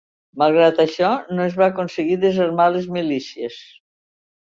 Malgrat això no es va aconseguir desarmar les milícies.